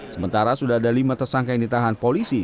sementara sudah ada lima tersangka yang ditahan polisi